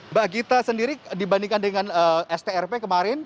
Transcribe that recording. mbak gita sendiri dibandingkan dengan strp kemarin